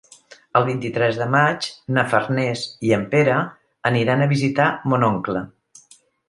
El vint-i-tres de maig na Farners i en Pere aniran a visitar mon oncle.